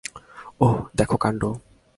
ওহ, দেখো কান্ড।